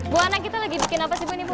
bu anak kita lagi bikin apa sih